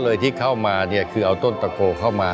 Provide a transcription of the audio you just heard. เลยที่เข้ามาเนี่ยคือเอาต้นตะโกเข้ามา